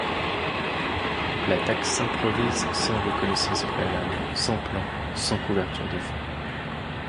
L'attaque s'improvise sans reconnaissance préalable, sans plan, sans couverture de feu.